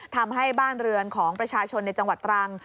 ทำให้บ้านเรือนของประชาชนในจังหวัดตรัง